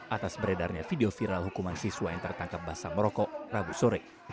atas beredarnya video viral hukuman siswa yang tertangkap basah merokok rabu sore